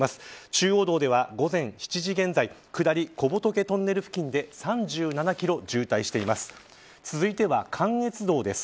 中央道では午前７時現在下り、小仏トンネル付近で３７キロ渋滞しています。